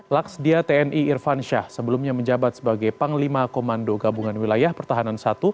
laksdia tni irfansyah sebelumnya menjabat sebagai panglima komando gabungan wilayah pertahanan i